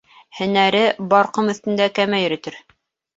Һөнәре бар ҡом өҫтөндә кәмә йөрөтөр.